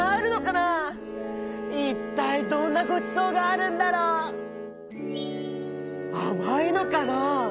いったいどんなごちそうがあるんだろう？あまいのかな？